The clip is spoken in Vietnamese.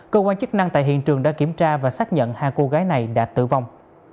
cơ quan chức năng tại hiện trường đã kiểm tra và xác nhận hai cô gái này đã tử vong